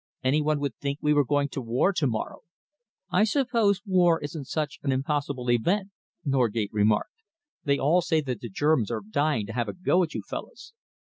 Any one would think we were going to war to morrow." "I suppose war isn't such an impossible event," Norgate remarked. "They all say that the Germans are dying to have a go at you fellows."